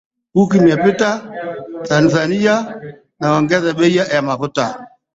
Wiki iliyopita, Tanzania iliongeza bei ya mafuta